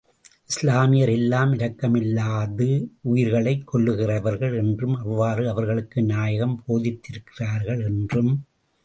இஸ்லாமியர் எல்லாம் இரக்கமில்லாது, உயிர்களைக் கொல்லுகின்றவர்கள் என்றும், அவ்வாறு அவர்களுக்கு நாயகம் போதித்திருக்கிறார்கள் என்றும்.